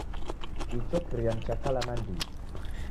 Icho kiria ni cha kala nandighi.